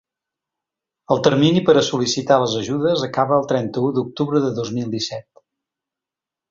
El termini per a sol·licitar les ajudes acaba el trenta-u d’octubre de dos mil disset.